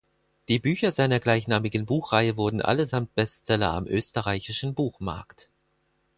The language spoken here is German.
Die Bücher seiner gleichnamigen Buchreihe wurden allesamt Bestseller am österreichischen Buchmarkt.